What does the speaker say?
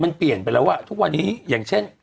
มันเปลี่ยนไปแล้วอ่ะทุกวันนี้อย่างเช่น